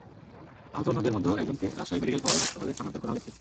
আহত অন্যদের মধ্যে একজনকে রাজশাহী মেডিকেল কলেজ হাসপাতালে স্থানান্তর করা হয়েছে।